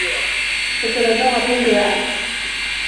En sådan raring du är!